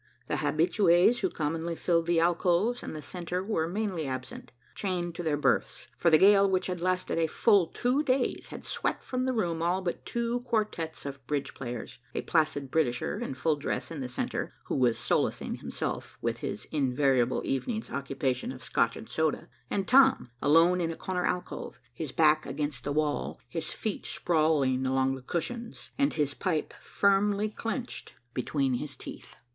The habitués who commonly filled the alcoves and the centre were mainly absent, chained to their berths, for the gale which had lasted a full two days had swept from the room all but two quartettes of bridge players, a placid Britisher in full dress in the centre, who was solacing himself with his invariable evening's occupation of Scotch and soda, and Tom, alone, in a corner alcove, his back against the wall, his feet sprawling along the cushions, and his pipe firmly clenched between his teeth.